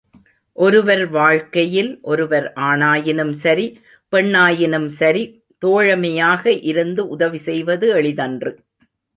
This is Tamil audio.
ஒருவர் வாழ்க்கையில் ஒருவர் ஆணாயினும் சரி, பெண்ணாயினும் சரி, தோழமையாக இருந்து உதவி செய்வது எளிதன்று.